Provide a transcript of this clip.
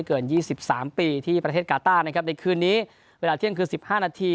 เกินยี่สิบสามปีที่ประเทศกาตานะครับในคืนนี้เวลาเที่ยงคือสิบห้านาที